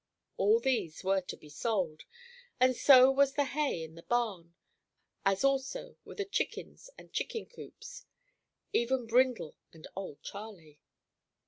All these were to be sold, and so was the hay in the barn, as also were the chickens and chicken coops; even Brindle and old Charley.